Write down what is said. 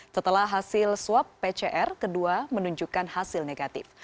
setelah hasil swab pcr kedua menunjukkan hasil negatif